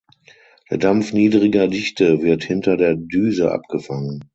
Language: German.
Der Dampf niedriger Dichte wird hinter der Düse abgefangen.